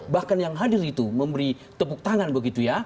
bahkan yang hadir itu memberi tepuk tangan begitu ya